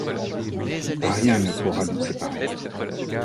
Rien ne pourra nous séparer.